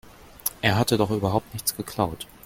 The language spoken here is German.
Er hatte doch überhaupt nichts geklaut.